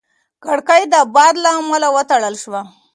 کړکۍ د باد له امله وتړل شوه.